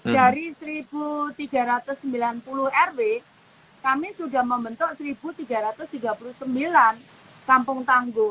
dari satu tiga ratus sembilan puluh rw kami sudah membentuk satu tiga ratus tiga puluh sembilan kampung tangguh